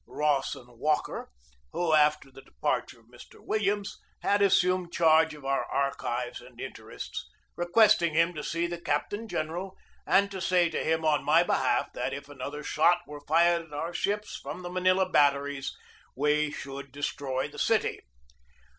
Rawson Walker, who, after the departure of Mr. Wil liams, had assumed charge of our archives and in terests, requesting him to see the captain general, and to say to him, on my behalf, that if another shot were fired at our ships from the Manila batteries we should destroy the city.